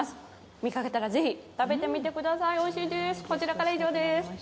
見かけたら是非、食べてみてください、おいしいです。